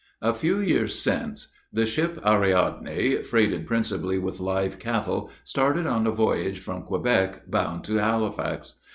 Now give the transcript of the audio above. A few years since the ship Ariadne, freighted principally with live cattle, started on a voyage from Quebec, bound to Halifax.